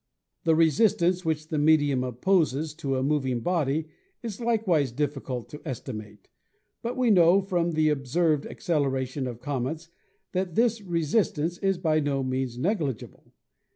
"The resistance which the medium opposes to a mov ing body is likewise difficult to estimate, but we know from the observed acceleration of comets that this re sistance is by no means negligible.